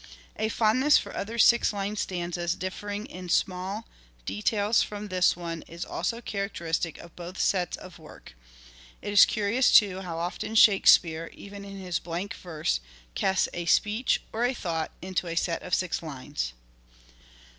A fondness for other six lined stanzas differing in small details from this one is also characteristic of both sets of work. It is curious, too, how often " Shakespeare," even in his blank verse, casts a speech or a thought into a set of six lines.